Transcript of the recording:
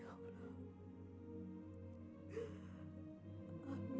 aku bangga di masuk bisa jadi istri kamu